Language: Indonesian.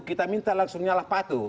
kita minta langsung nyalah patuh